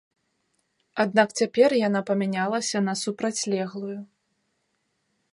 Аднак цяпер яна памянялася на супрацьлеглую.